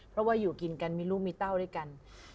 เพราะว่าอยู่กินกันมีลูกมีเต้าด้วยกัน